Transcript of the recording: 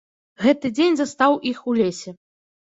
Гэты дзень застаў іх у лесе.